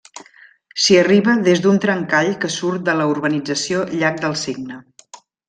S'hi arriba des d'un trencall que surt de la urbanització Llac del Cigne.